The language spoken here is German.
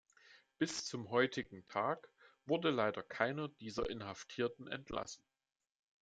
Bis zum heutigen Tag wurde leider keiner dieser Inhaftierten entlassen.